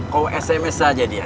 kau sms saja dia